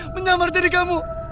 menyamar jadi kamu